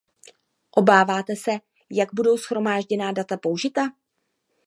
Obáváte se, jak budou shromážděná data použita.